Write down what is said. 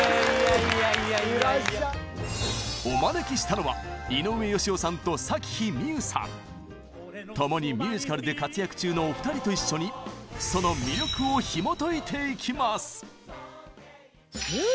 お招きしたのはともにミュージカルで活躍中のお二人と一緒にその魅力をひもといていきます！